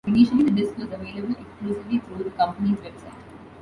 Initially, the disc was available exclusively through the company's web site.